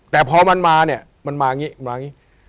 แต่พอมันมาเนี่ยมันมาอย่างนี้มาอย่างนี้